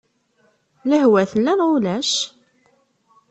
Lehwa tella neɣ ulac?